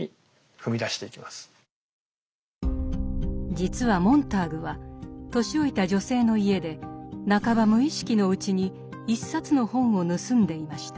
実はモンターグは年老いた女性の家で半ば無意識のうちに一冊の本を盗んでいました。